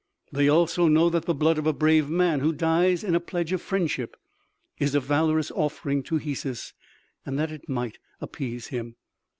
"They also know that the blood of a brave man who dies in pledge of friendship is a valorous offering to Hesus, and that it might appease him."